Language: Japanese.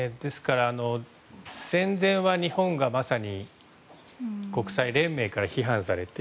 戦前は日本がまさに国際連盟から批判されて。